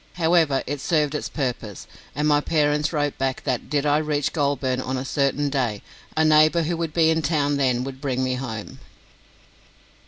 However, it served its purpose, and my parents wrote back that, did I reach Goulburn on a certain day, a neighbour who would be in town then would bring me home.